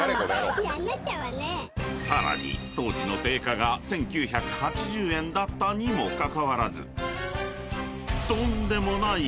［さらに当時の定価が１，９８０円だったにもかかわらず］